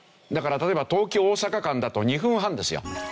だから例えば東京大阪間だと２分半ですよ。